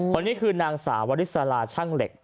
คนนี้คือนางสาววริสลาช่างเหล็ก